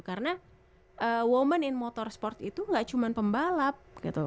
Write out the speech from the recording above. karena women in motorsport itu nggak cuma pembalap gitu